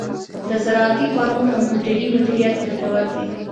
د زراعتی فارمو کمپیوټري مدیریت ګټور دی.